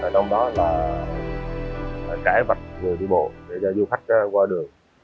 trong đó là trải mạch người đi bộ để cho du khách qua đường